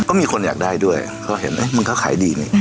ก็มีคนอยากได้ด้วยเขาเห็นมันเขาขายดี